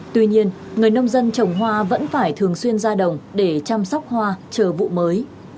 tuy nhiên người nông dân trồng hoa vẫn phải thường xuyên ra đồng để chăm sóc hoa chờ vụ mới